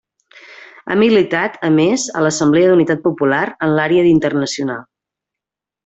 Ha militat a més, a l'Assemblea d'Unitat Popular, en l'àrea d'internacional.